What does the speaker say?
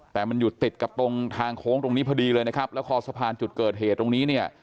แต่มันอยู่ติดกับตรงทางโค้งตรงนี้พอดีเลยนะครับแล้วคอสะพานจุดเกิดเหตุตรงนี้เนี่ย